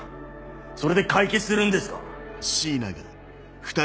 それで解決するんですか？